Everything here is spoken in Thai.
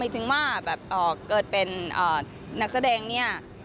ไม่ถึงว่าเกิดเป็นนักแสดงนี่